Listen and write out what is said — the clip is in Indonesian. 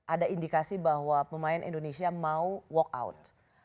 ada indikasi bahwa pemain indonesia mau walk out